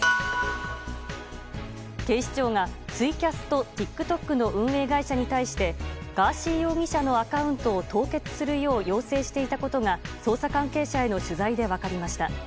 警視庁がツイキャスとＴｉｋＴｏｋの運営会社に対してガーシー容疑者のアカウントを凍結するよう要請していたことが捜査関係者への取材で分かりました。